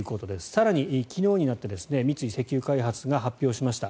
更に、昨日になって三井石油開発が発表しました。